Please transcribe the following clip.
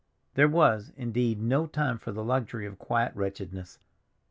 There was, indeed, no time for the luxury of quiet wretchedness.